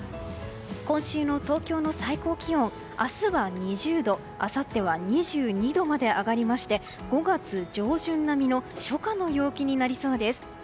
今週の東京の最高気温明日は２０度あさっては２２度まで上がりまして５月上旬並の初夏の陽気になりそうです。